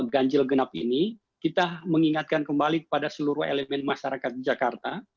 ganjil genap ini kita mengingatkan kembali kepada seluruh elemen masyarakat jakarta